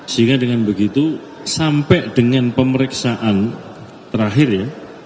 sehingga dengan begitu sampai dengan pemeriksaan terakhir ya